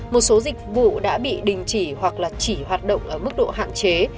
một số dịch vụ đã bị đình chỉ hoặc là chỉ hoạt động ở mức độ hạn chế